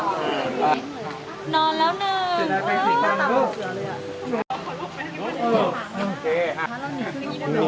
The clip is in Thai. มาร่วมเปลี่ยนเมืองวิธีสิทธิ์